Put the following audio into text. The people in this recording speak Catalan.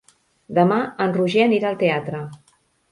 Demà en Roger anirà al teatre.